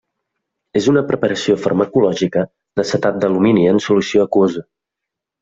És una preparació farmacològica d'acetat d'alumini en solució aquosa.